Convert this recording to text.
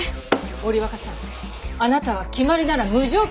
森若さんあなたは決まりなら無条件に従うの？